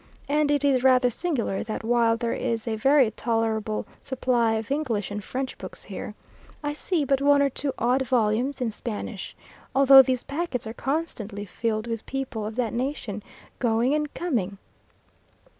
and it is rather singular that while there is a very tolerable supply of English and French books here, I see but one or two odd volumes in Spanish, although these packets are constantly filled with people of that nation, going and coming.